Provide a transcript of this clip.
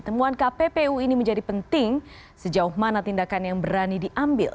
temuan kppu ini menjadi penting sejauh mana tindakan yang berani diambil